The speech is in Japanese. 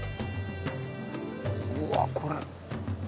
うわこれ。